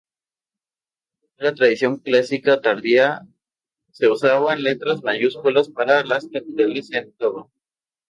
En la tradición clásica tardía se usaban letras mayúsculas para las capitales en todo.